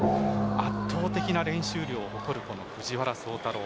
圧倒的な練習量を誇る藤原崇太郎。